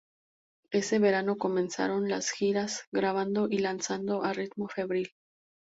Ese verano comenzaron las giras, grabando y lanzando a un ritmo febril.